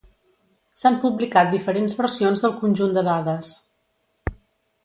S'han publicat diferents versions del conjunt de dades.